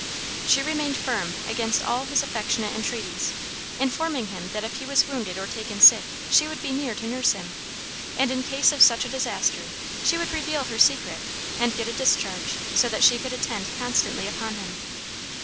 She remained firm against all his affectionate entreaties, informing him that if he was wounded or taken sick she would be near to nurse him, and in case of such a disaster she would reveal her secret and get a discharge so that she could attend constantly upon him.